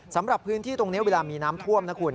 สำหรับพื้นที่ตรงนี้เวลามีน้ำท่วมนะคุณ